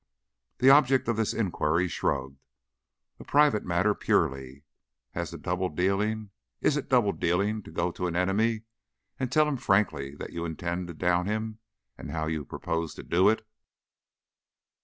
The object of this inquiry shrugged. "A private matter, purely. As to double dealing is it double dealing to go to an enemy and tell him frankly that you intend to down him and how you propose to do it?"